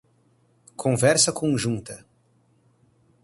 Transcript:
Conversa conjunta